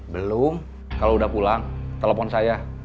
belum kalau udah pulang telepon saya